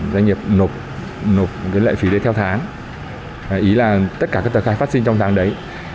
doanh nghiệp sẽ lên cái list và phát sinh tất cả các tờ khai phát sinh trong tháng đấy